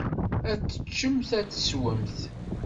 Ad teččemt, ad teswemt.